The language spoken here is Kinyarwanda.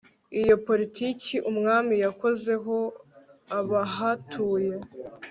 iyo politiki umwami yakozeho abahatuye